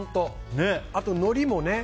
あと、のりもね。